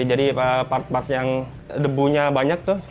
jadi apart part yang debunya banyak tuh